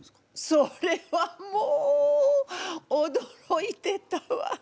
それはもうおどろいてたわ！